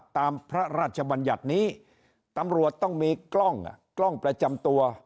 ตามพระราชบัญญัตินี้ตำรวจต้องมีกล้องกล้องประจำตัว